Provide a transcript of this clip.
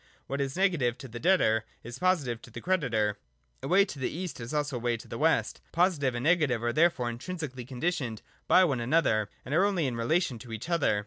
What is negative to the debtor, is positive to the creditor. A way to the east is also a way to the west. Positive and negative are therefore intrinsically conditioned by one another, and are only in relation to each other.